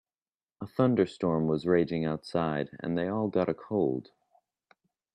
A thunderstorm was raging outside and they all got a cold.